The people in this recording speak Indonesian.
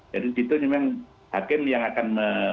jadi itu memang hakim yang akan